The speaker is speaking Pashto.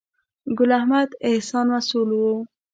ګل احمد احسان مسؤل و.